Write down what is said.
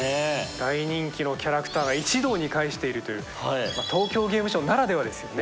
大人気のキャラクターが一堂に会しているという東京ゲームショウならではですよね。